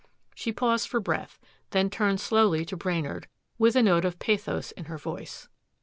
She paused for breath, then turned slowly to Brainard with a note of pathos in her voice.